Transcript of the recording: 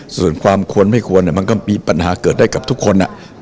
ส่วนความควรไม่ควรมันก็มีปัญหาเกิดได้กับทุกคน